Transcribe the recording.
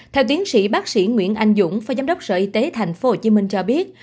theo tiến sĩ bác sĩ nguyễn anh dũng phó giám đốc sở y tế tp hcm cho biết